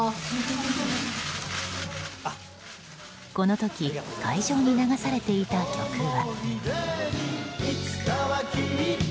この時会場に流されていた曲は。